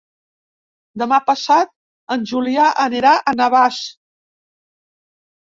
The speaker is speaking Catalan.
Demà passat en Julià anirà a Navàs.